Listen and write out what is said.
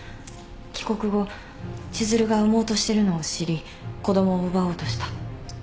帰国後千寿留が産もうとしてるのを知り子供を奪おうとした。